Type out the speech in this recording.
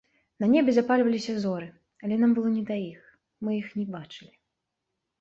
На небе запальваліся зоры, але нам было не да іх, мы іх не бачылі.